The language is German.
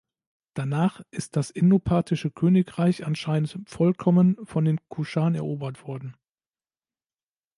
Danach ist das Indo-Parthische Königreich anscheinend vollkommen von den Kuschan erobert worden.